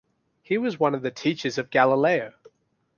He was one of the teachers of Galileo.